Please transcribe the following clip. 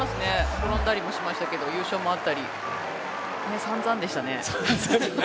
転んだりもしましたけど優勝もあったりさんざんでしたね。